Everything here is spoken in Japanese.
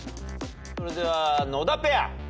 それでは野田ペア。